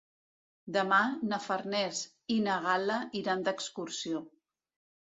Demà na Farners i na Gal·la iran d'excursió.